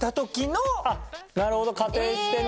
なるほど仮定してね。